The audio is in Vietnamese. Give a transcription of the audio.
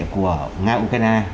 của nga và ukraine